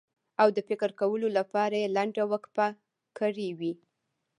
او د فکر کولو لپاره یې لنډه وقفه کړې وي.